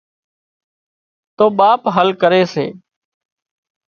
تو ٻاپ حل ڪري سي